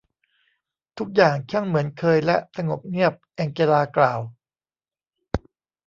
ทุกอย่างช่างเหมือนเคยและสงบเงียบ แองเจลากล่าว